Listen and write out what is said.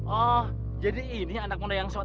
oh jadi ini anak muda yang sehat